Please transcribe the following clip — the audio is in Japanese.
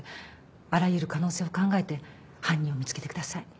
あらゆる可能性を考えて犯人を見つけてください。